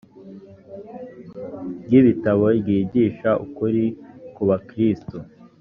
ry ibi bitabo ryigisha ukuri kubakiristu